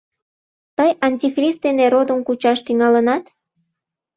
— Тый антихрист дене родым кучаш тӱҥалынат?!